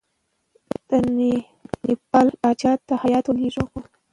د نیپال پاچا ته هیات ولېږو.